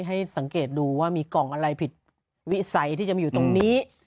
ให้สังเกตดูว่ามีกล่องอะไรผิดวิสัยที่จะมาอยู่ตรงนี้